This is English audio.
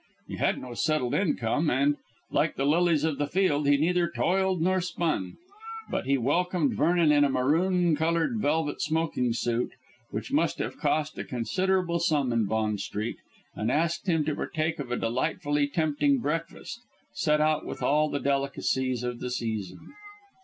He had no settled income, and, like the lilies of the field, he neither toiled nor spun. But he welcomed Vernon in a maroon coloured velvet smoking suit which must have cost a considerable sum in Bond Street, and asked him to partake of a delightfully tempting breakfast, set out with all the delicacies of the season.